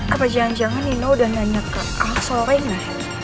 apa jangan jangan nino udah nanya ke elsa oren ya